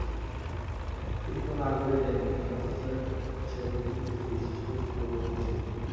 তিনি কোনও আগ্রহই নেননি, অথচ সেদিকে কিছু বিশিষ্ট পূর্বপুরুষ ছিলেন।